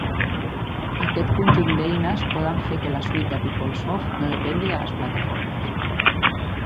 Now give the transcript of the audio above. Aquest conjunt d"eines poden fer que la suite de PeopleSoft no depengui de les plataformes.